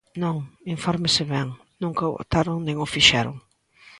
Non, infórmese ben, ¡nunca o votaron nin o fixeron!